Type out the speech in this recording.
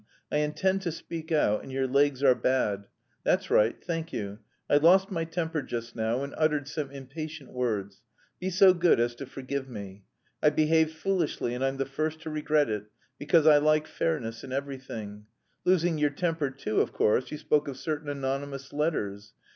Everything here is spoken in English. I intend to speak out, and your legs are bad. That's right, thank you. I lost my temper just now and uttered some impatient words. Be so good as to forgive me. I behaved foolishly and I'm the first to regret it, because I like fairness in everything. Losing your temper too, of course, you spoke of certain anonymous letters.